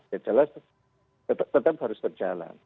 ya jelas tetap harus berjalan